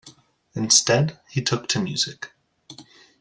Instead, he took to music.